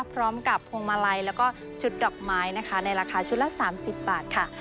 พวงมาลัยแล้วก็ชุดดอกไม้นะคะในราคาชุดละ๓๐บาทค่ะ